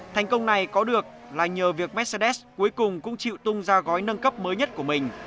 thành công này có được là nhờ việc mercedes cuối cùng cũng chịu tung ra gói nâng cấp mới nhất của mình